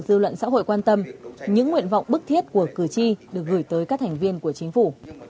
dư luận xã hội quan tâm những nguyện vọng bức thiết của cử tri được gửi tới các thành viên của chính phủ